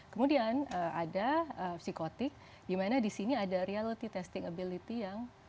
kemudian ada psikotik di mana di sini ada reality testing ability yang